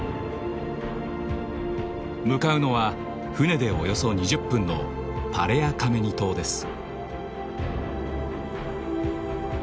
向かうのは船でおよそ２０分のパレア・カメニ島です。